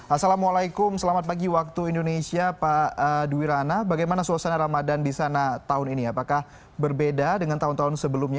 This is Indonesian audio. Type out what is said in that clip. assalamualaikum selamat pagi waktu indonesia pak duwirana bagaimana suasana ramadan di sana tahun ini apakah berbeda dengan tahun tahun sebelumnya